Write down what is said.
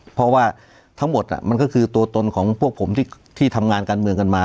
เพราะว่าทั้งหมดมันก็คือตัวตนของพวกผมที่ทำงานการเมืองกันมา